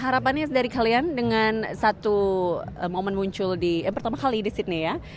harapannya dari kalian dengan satu momen muncul di yang pertama kali di sydney ya